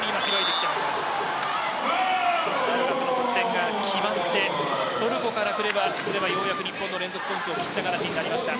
バルガスの得点が決まってトルコからすればようやく日本の連続ポイントを切った形になりました。